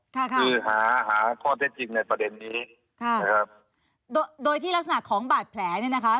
คือหาหาข้อเท็จจริงในประเด็นนี้ค่ะนะครับโดยโดยที่ลักษณะของบาดแผลเนี่ยนะคะ